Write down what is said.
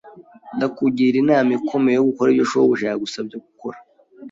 Ndakugira inama ikomeye yo gukora ibyo shobuja yagusabye gukora.